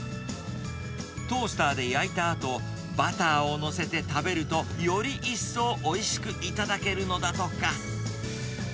トースターで焼いたあと、バターを載せて食べると、より一層おいしくいただけるのだとか。